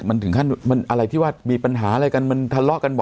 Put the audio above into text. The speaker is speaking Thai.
มันถึงขั้นมันอะไรที่ว่ามีปัญหาอะไรกันมันทะเลาะกันบ่อย